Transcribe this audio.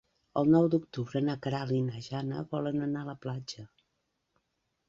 El nou d'octubre na Queralt i na Jana volen anar a la platja.